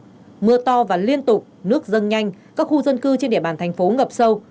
mưa to và liên tục nước dâng nhanh các khu dân cư trên địa bàn thành phố ngập sâu